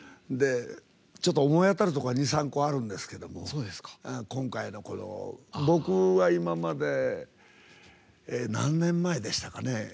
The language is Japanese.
思い当たるところは２３個あるんですけど今回の、この僕は今まで何年前でしたかね。